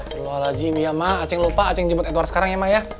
selalu alazim ya ma acing lupa acing jemput edward sekarang ya ma ya